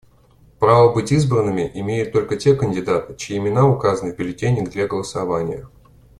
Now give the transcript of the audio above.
Право быть избранными имеют только те кандидаты, чьи имена указаны в бюллетенях для голосования.